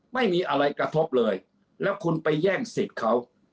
ไม่มีอะไรกระทบเลยแล้วคุณไปแย่งสิทธิ์เขา